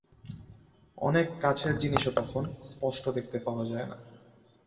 অনেক কাছের জিনিসও তখন স্পষ্ট দেখতে পাওয়া যায় না।